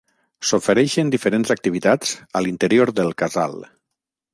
S'ofereixen diferents activitats a l'interior del casal.